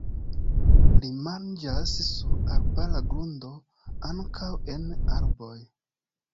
Ii manĝas sur arbara grundo, ankaŭ en arboj.